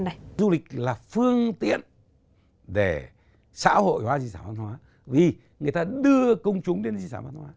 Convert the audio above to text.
này du lịch là phương tiện để xã hội hóa di sản văn hóa vì người ta đưa công chúng đến di sản văn hóa